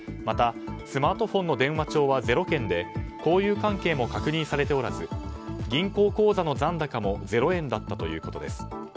またスマートフォンの電話帳は０件で交友関係も確認されておらず銀行口座の残高も０円だったということです。